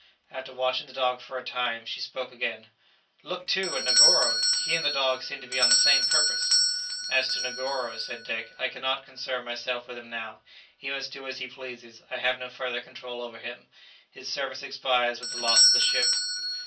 After watching the dog for a time, she spoke again: "Look, too, at Negoro! he and the dog seem to be on the same purpose!" "As to Negoro," said Dick, "I cannot concern myself with him now; he must do as he pleases; I have no further control over him; his service expires with the loss of the ship."